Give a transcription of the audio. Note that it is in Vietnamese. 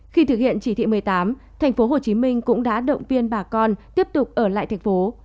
khi thực hiện chỉ thị một mươi tám thành phố hồ chí minh cũng đã động viên bà con tiếp tục ở lại thành phố